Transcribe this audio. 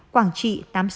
quảng trị tám mươi sáu